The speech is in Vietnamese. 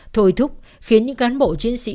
thôi thúc khiến những cán bộ chiến sĩ